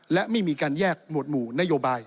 และไม่มีการแยกหมวดหมู่นโยบาย